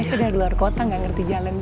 saya dari luar kota nggak ngerti jalan juga